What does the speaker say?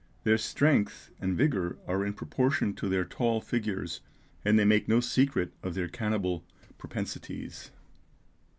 Their strength and vigour are in proportion to their tall figures, and they make no secret of their cannibal propensities.